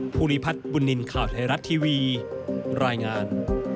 ภูริพัฒน์บุญนินทร์ข่าวไทยรัฐทีวีรายงาน